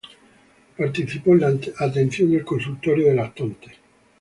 Participó en la atención del consultorio de lactantes.